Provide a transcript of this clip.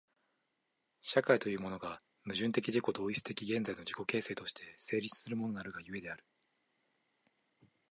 社会というものが、矛盾的自己同一的現在の自己形成として成立するものなるが故である。